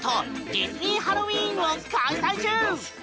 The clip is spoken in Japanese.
ディズニー・ハロウィーンを開催中！